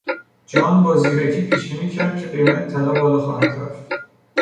جان با زیرکی پیش بینی کرد که قیمت طلا بالا خواهد رفت.